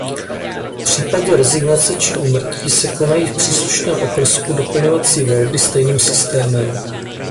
V případě rezignace či úmrtí se konají v příslušném okrsku doplňovací volby stejným systémem.